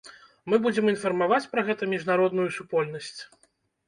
Мы будзем інфармаваць пра гэта міжнародную супольнасць.